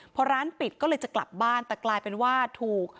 พอร้านปิดก็เลยจะกลับบ้านแต่กลายเป็นว่าถูก